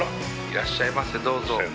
いらっしゃいませどうぞ。